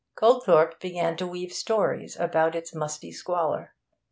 Goldthorpe began to weave stories about its musty squalor.